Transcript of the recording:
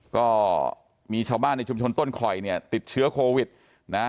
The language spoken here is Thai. ก็มีชาวบ้านในชุมชนต้นคอยเนี่ยติดเชื้อโควิดนะ